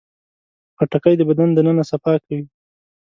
خټکی د بدن دننه صفا کوي.